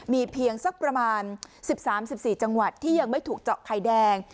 มีเพียงสักประมาณ๑๓๑๔จังหวัดที่ยังไม่ถูกเจาะไข่แดง